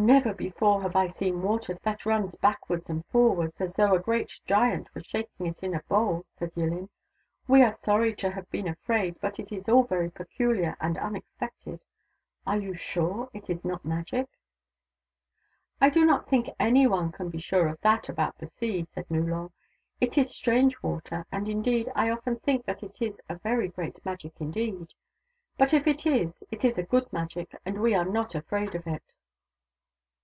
" Never before have I seen water that runs back wards and forwards, as though a great giant were shaking it in a bowl," said Yillin. " We are sorry to have been afraid, but it is all very peculiar and unexpected. Are you sure it is not Magic ?"" I do not think anyone can be sure of that about the Sea," said Nullor. "It is strange water, and indeed I often think that it is very great Magic indeed. But if it is, it is a good Magic, and we are not afraid of it."